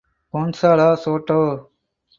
Gonzalo Soto